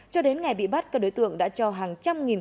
cho đến ngày bị bắt các đối tượng đã cho hàng trăm nghìn người